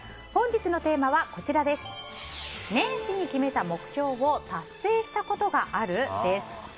本日のテーマは年始に決めた目標を達成したことがある？です。